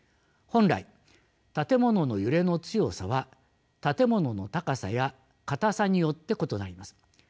本来建物の揺れの強さは建物の高さやかたさによって異なります。